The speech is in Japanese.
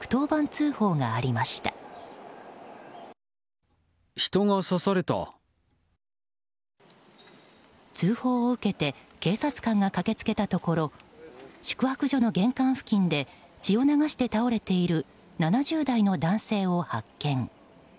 通報を受けて警察官が駆け付けたところ宿泊所の玄関付近で血を流して倒れている７０代の男性を発見。